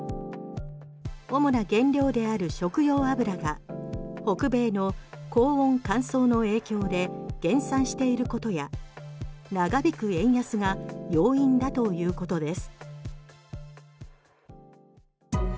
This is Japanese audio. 主な原料である食用油が北米の高温乾燥の影響で減産していることや長引く円安が要因だということです。